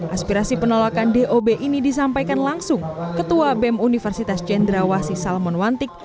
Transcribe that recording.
aspirasi penolakan dob ini disampaikan langsung ketua bem universitas cendrawasi salmon wantik